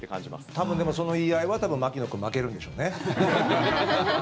多分、でもその言い合いは槙野君が負けるんでしょうね。